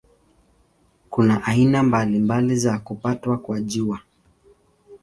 Kuna aina mbalimbali za kupatwa kwa Jua.